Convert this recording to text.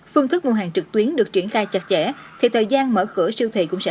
phương thức mua hàng trực tuyến được triển khai chặt chẽ thì thời gian mở cửa siêu thị cũng sẽ